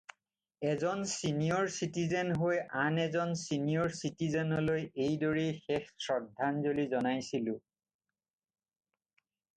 এজন senior citizen হৈ আন এজন চিনিয়ৰ চিটিজেনলৈ এনেদৰেই শেষ শ্ৰদ্ধাঞ্জলি জনাইছিলোঁ।